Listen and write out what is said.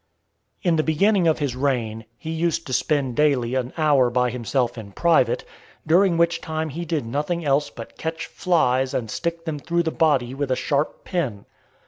III. In the beginning of his reign, he used to spend daily an hour by himself in private, during which time he did nothing else but catch flies, and stick them through the body with a sharp pin.